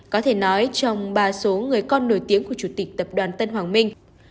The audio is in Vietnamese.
có thể nói trong ba số người con nổi tiếng của chủ tịch tập đoàn tân hoàng minh